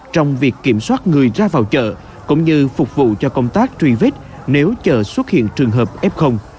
trong việc kiểm soát người ra vào chợ cũng như phục vụ cho công tác truy vết nếu chợ xuất hiện trường hợp f